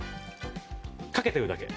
かけてるだけ。